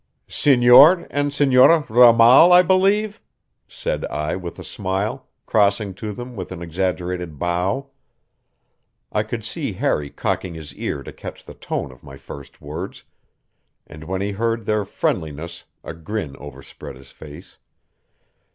"Senor and Senora Ramal, I believe?" said I with a smile, crossing to them with an exaggerated bow. I could see Harry cocking his ear to catch the tone of my first words, and when he heard their friendliness a grin overspread his face.